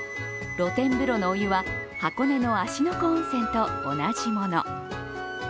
露天風呂のお湯は箱根の芦ノ湖温泉と同じもの。